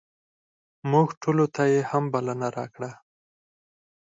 موږ ټولو ته یې هم بلنه راکړه.